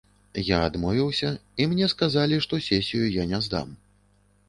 Я адмовіўся, і мне сказалі, што сесію я не здам.